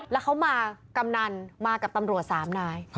แล้วเขามากำนันมากับตำรวจ๓นาย